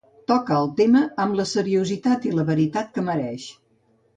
Toca el tema amb la seriositat i la veritat que mereix.